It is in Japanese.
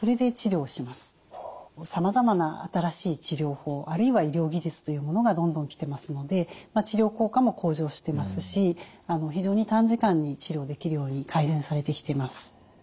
さまざまな新しい治療法あるいは医療技術というものがどんどん来てますので治療効果も向上してますし非常に短時間に治療できるように改善されてきています。